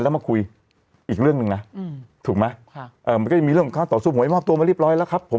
แล้วมาคุยอีกเรื่องหนึ่งนะถูกไหมมันก็จะมีเรื่องของการต่อสู้หวยมอบตัวมาเรียบร้อยแล้วครับผม